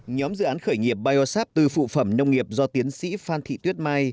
nhóm dự án khởi nghiệp biosap từ phụ phẩm nông nghiệp do tiến sĩ phan thị tuyết mai